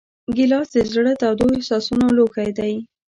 ګیلاس د زړه تودو احساسونو لوښی دی.